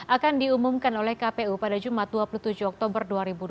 akan diumumkan oleh kpu pada jumat dua puluh tujuh oktober dua ribu dua puluh